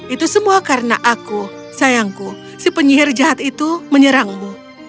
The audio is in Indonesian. itu semua karena aku sayangku si penyihir jahat itu menyerangmu